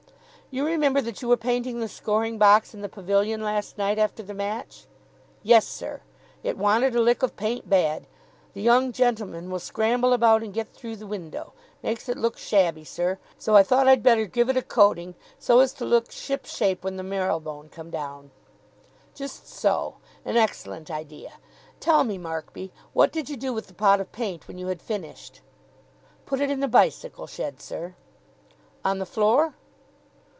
"You remember that you were painting the scoring box in the pavilion last night after the match?" "Yes, sir. It wanted a lick of paint bad. The young gentlemen will scramble about and get through the window. Makes it look shabby, sir. So I thought I'd better give it a coating so as to look ship shape when the Marylebone come down." "Just so. An excellent idea. Tell me, Markby, what did you do with the pot of paint when you had finished?" "Put it in the bicycle shed, sir." "On the floor?"